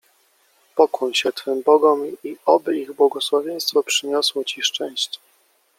— Pokłoń się twym bogom i oby ich błogosławieństwo przyniosło ci szczęście.